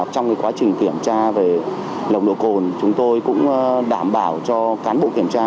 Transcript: trong quá trình kiểm tra về nồng độ cồn chúng tôi cũng đảm bảo cho cán bộ kiểm tra